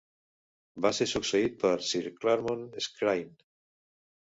Va ser succeït per Sir Clarmont Skrine.